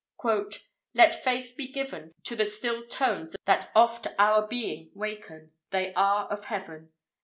"Let Faith be given To the still tones that oft our being waken They are of Heaven."